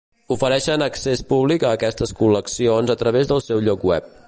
Ofereixen accés públic a aquestes col·leccions a través del seu lloc web.